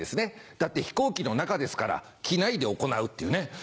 だって飛行機の中ですから「キナイで行う」っていうね。